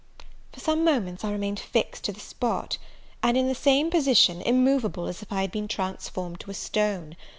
For some moments I remained fixed to the same spot, and in the same position, immoveable, as if I had been transformed to a stone.